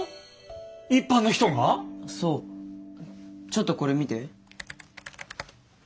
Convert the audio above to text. ちょっとこれ見て。